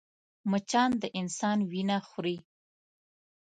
مچان د انسان وينه خوري